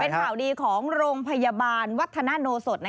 เป็นข่าวดีของโรงพยาบาลวัฒนาโนสด